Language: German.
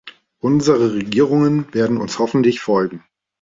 Unsere Regierungen werden uns hoffentlich folgen.